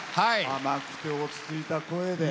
甘くて落ち着いた声で。